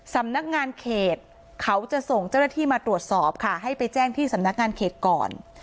สำนักงานเขตเขาจะส่งเจ้าหน้าที่มาตรวจสอบค่ะให้ไปแจ้งที่สำนักงานเขตก่อน